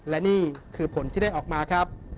และนี่คือผลที่ได้ออกมาครับ